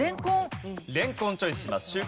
レンコンをチョイスします。